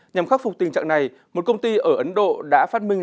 nhằm khắc phục tình trạng này một công ty ở ấn độ đã phát minh